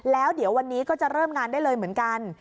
แล้วเดี๋ยววันนี้ก็จะเริ่มงานได้เลยเหมือนกัน